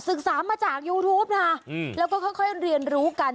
ศึกษามาจากยูทูปนะแล้วก็ค่อยเรียนรู้กัน